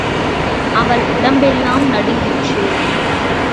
அவள் உடம்பெல்லாம் நடுங்கிற்று.